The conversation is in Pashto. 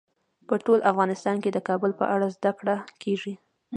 په ټول افغانستان کې د کابل په اړه زده کړه کېږي.